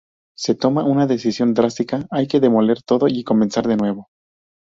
Se toma una decisión drástica: hay que demoler todo y comenzar de nuevo.